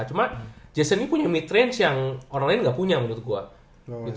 cuma jason ini punya mid range yang orang lain gak punya menurut gue